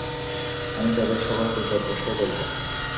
আমি তাদের সকলকেই পথভ্রষ্ট করব।